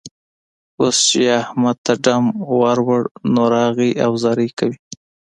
اوس چې يې احمد ته ډم ور وړ؛ نو، راغی او زارۍ کوي.